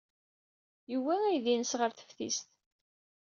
Yewwi aydi-nnes ɣer teftist.